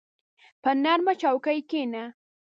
په نرمه چوکۍ کښېنه.